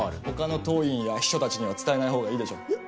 他の党員や秘書たちには伝えないほうがいいでしょう。